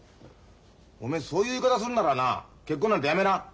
おめえそういう言い方するんならな結婚なんてやめな！